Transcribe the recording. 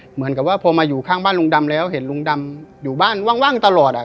เหมือนกับว่าพอมาอยู่ข้างบ้านลุงดำแล้วเห็นลุงดำอยู่บ้านว่างตลอดอ่ะ